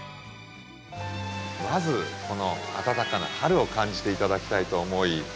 まずこの暖かな春を感じて頂きたいと思い。